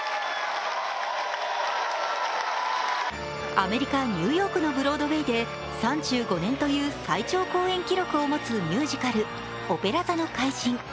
アメリカ・ニューヨークのブロードウェイで３５年という最長公演記録を持つミュージカル「オペラ座の怪人」。